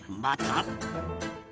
また。